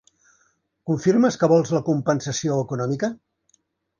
Confirmes que vols la compensació econòmica?